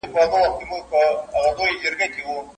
د پاتا کمبلي وینم ستا د ښار له دېوالونو